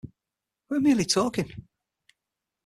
We were merely talking.